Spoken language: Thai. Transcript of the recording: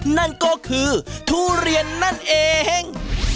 นั่นก็คือทุเรียนนั่นเอง